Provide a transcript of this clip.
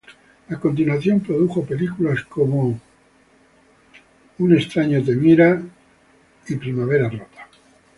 A continuación produjo películas como "A Stranger is Watching" y "Spring Break".